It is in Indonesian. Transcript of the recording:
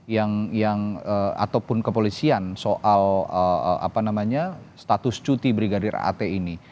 yang yang ataupun kepolisian soal apa namanya status cuti brigadir rat ini